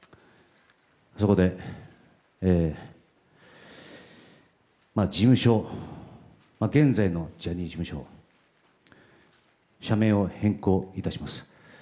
そこで、現在のジャニーズ事務所社名を変更いたします。